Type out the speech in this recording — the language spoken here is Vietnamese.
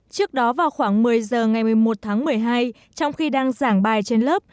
trước đó vào khoảng một mươi giờ ngày một mươi một tháng một mươi hai trong khi đang giảng bài trên lớp